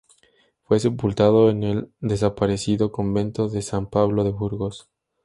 Fue sepultado en el desaparecido convento de San Pablo de Burgos.